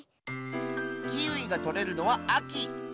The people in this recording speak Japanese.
キウイがとれるのはあき。